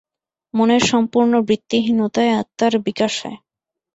মনের সম্পূর্ণ বৃত্তিহীনতায় আত্মার বিকাশ হয়।